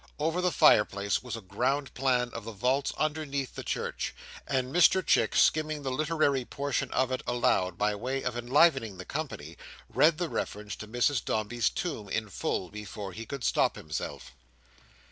Over the fireplace was a ground plan of the vaults underneath the church; and Mr Chick, skimming the literary portion of it aloud, by way of enlivening the company, read the reference to Mrs Dombey's tomb in full, before he could stop himself.